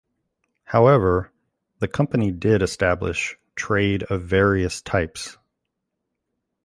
However, the company did establish trade of various types.